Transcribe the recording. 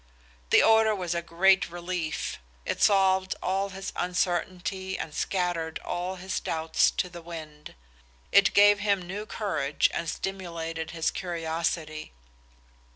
The order was a great relief. It solved all his uncertainty and scattered all his doubts to the wind. It gave him new courage and stimulated his curiosity.